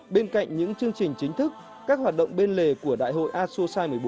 bên cạnh những chương trình chính thức các hoạt động bên lề của đại hội asosai một mươi bốn